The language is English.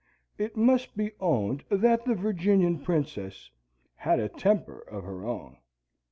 It must be owned that the Virginian Princess had a temper of her own.